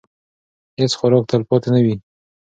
هیڅ خوراک تلپاتې نه وي.